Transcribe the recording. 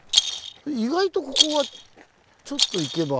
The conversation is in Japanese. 意外とここはちょっと行けば。